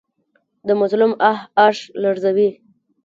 د مظلوم آه عرش لرزوي